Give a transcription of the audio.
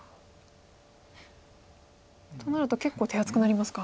となると結構手厚くなりますか。